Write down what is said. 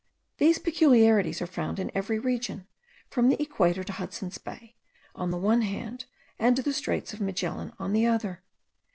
These peculiarities are found in every region; from the equator to Hudson's Bay on the one hand, and to the Straits of Magellan on the other.